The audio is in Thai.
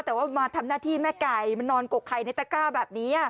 แต่ว่ามาทำหน้าที่แม่ไก่มานอนกกไข่ในตะกร้าแบบนี้